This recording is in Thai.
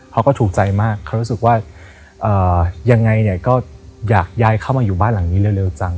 เขาก็ถูกใจมากเขารู้สึกว่ายังไงเนี่ยก็อยากย้ายเข้ามาอยู่บ้านหลังนี้เร็วจัง